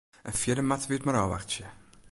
En fierder moatte wy it mar ôfwachtsje.